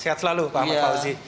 sehat selalu pak ahmad fauzi